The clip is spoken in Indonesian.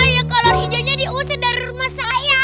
ya kolor ijonya diusin dari rumah saya